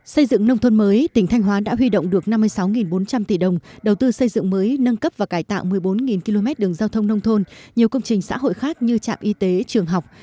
xây dựng nông thôn mới tỉnh thanh hóa đã huy động được năm mươi sáu bốn trăm linh tỷ đồng đầu tư xây dựng mới nâng cấp và cải tạo một mươi bốn km đường giao thông nông thôn nhiều công trình xã hội khác như trạm y tế trường học